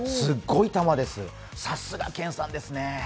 すっごい球です、さすが謙さんですね。